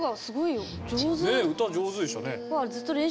ねえ歌上手でしたね。